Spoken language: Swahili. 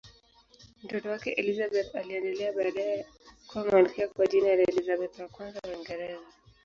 Mtoto wake Elizabeth aliendelea baadaye kuwa malkia kwa jina la Elizabeth I wa Uingereza.